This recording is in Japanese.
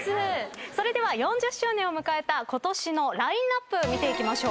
それでは４０周年を迎えたことしのラインアップ見ていきましょう。